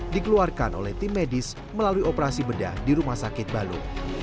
dikeluarkan oleh tim medis melalui operasi bedah di rumah sakit balu